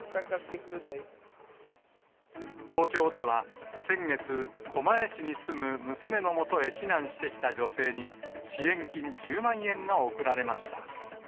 東京では先月、狛江市に住む娘のもとへ避難してきた女性に、支援金１０万円が贈られました。